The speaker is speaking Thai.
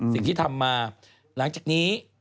สิ่งที่ทำมาหลังจากนี้